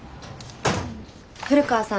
古川さん。